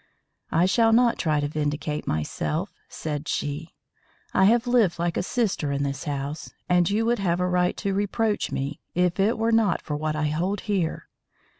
"I shall not try to vindicate myself," said she. "I have lived like a sister in this house, and you would have a right to reproach me if it were not for what I hold here.